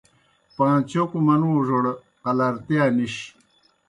پاں چوکوْ منُوڙوْڑ قلارتِیا نِش۔